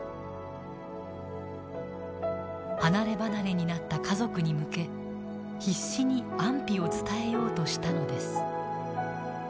離れ離れになった家族に向け必死に安否を伝えようとしたのです。